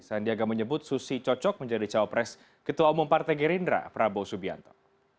sandiaga menyebut susi cocok menjadi cawapres ketua umum partai gerindra prabowo subianto